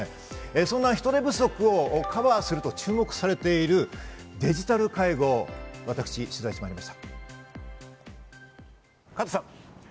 そんな人手不足をカバーすると注目されているデジタル介護、私、取材してまいりました。